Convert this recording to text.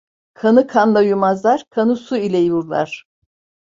Kanı kanla yumazlar, kanı su ile yurlar.